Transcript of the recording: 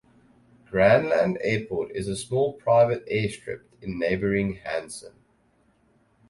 Cranland Airport is a small private air strip in neighboring Hanson.